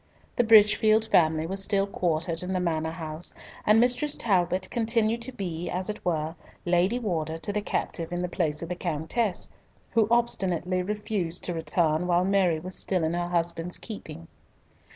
The Bridgefield family was still quartered in the Manor house, and Mistress Talbot continued to be, as it were, Lady Warder to the captive in the place of the Countess, who obstinately refused to return while Mary was still in her husband's keeping.